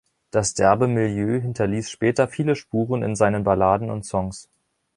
Das derbe Milieu hinterließ später viele Spuren in seinen Balladen und Songs.